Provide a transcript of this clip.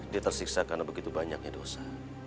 dia tersiksa karena begitu banyaknya dosa